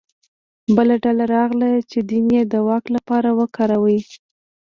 بله ډله راغله چې دین یې د واک لپاره وکاروه